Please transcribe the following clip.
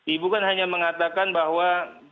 ibu kan hanya mengatakan bahwa